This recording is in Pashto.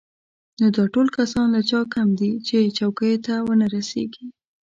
نو دا ټول کسان له چا کم دي چې چوکیو ته ونه رسېږي.